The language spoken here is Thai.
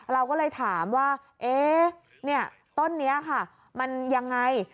เราก็เลยถามว่าต้นนี้ค่ะมันยังไง